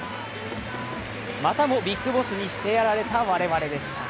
またもＢＩＧＢＯＳＳにしてやられた我々でした。